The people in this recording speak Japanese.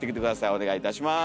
お願いいたします。